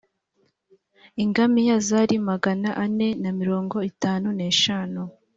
ingamiya zari magana ane na mirongo itatu n eshanu